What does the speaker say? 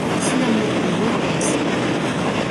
sina moku mute e suwi.